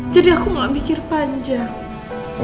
jadi aku gak mikir panjang